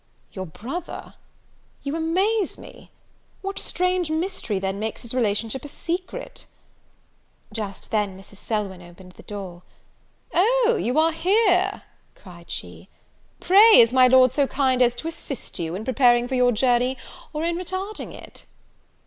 "Your brother! you amaze me! What strange mystery, then, makes his relationship a secret?" Just then Mrs. Selwyn opened the door. "O, you are here!" cried she: "Pray, is my Lord so kind as to assist you in preparing for your journey, or in retarding it?"